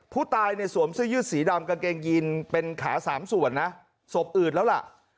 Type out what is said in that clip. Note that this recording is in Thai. ผู้ตายเนี่ยสวมเสื้อยืดสีดำกางเกงยีนเป็นขาสามส่วนนะศพอืดแล้วล่ะ